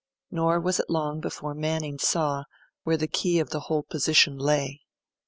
Nor was it long before Manning saw where the key of the whole position lay.